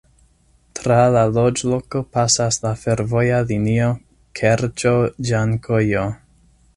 Tra la loĝloko pasas la fervoja linio Kerĉo-Ĝankojo.